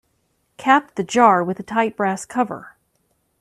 Cap the jar with a tight brass cover.